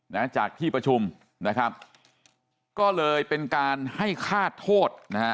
นะจากที่ประชุมนะครับก็เลยเป็นการให้ฆาตโทษนะฮะ